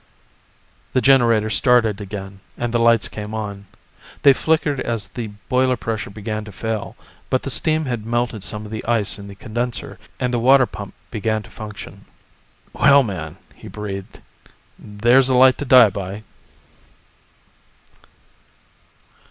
The generator started again, and the lights came on. They flickered as the boiler pressure began to fail, but the steam had melted some of the ice in the condenser, and the water pump began to function. "Well, man," he breathed, "there's a light to die by."